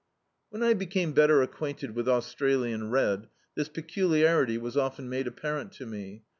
When I became better acquainted with Australian Red, this peculiarity was often made ap parent to me.